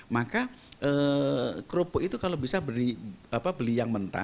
maka kerupuk itu kalau bisa beli yang mentah